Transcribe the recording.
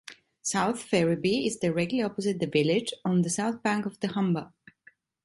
South Ferriby is directly opposite the village, on the south bank of the Humber.